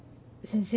先生